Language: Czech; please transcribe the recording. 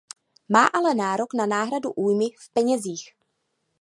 Má ale nárok na náhradu újmy v penězích.